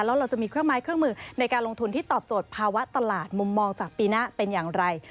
แล้วเราจะมีเครื่องไม้เครื่องมือในการลงทุนที่ตอบโจทย์ภาวะตลาดมุมมองจากปีหน้าเป็นอย่างไร